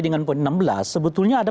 dengan poin enam belas sebetulnya ada